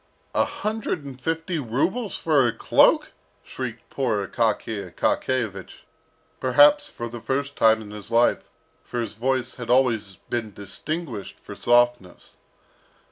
"A hundred and fifty rubles for a cloak!" shrieked poor Akaky Akakiyevich, perhaps for the first time in his life, for his voice had always been distinguished for softness.